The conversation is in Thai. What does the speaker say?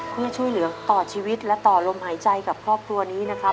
เพื่อช่วยเหลือต่อชีวิตและต่อลมหายใจกับครอบครัวนี้นะครับ